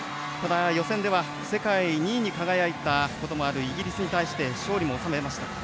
予選では世界２位に輝いたこともあるイギリスに対して勝利も収めました。